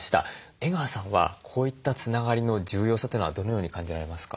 江川さんはこういったつながりの重要さというのはどのように感じられますか？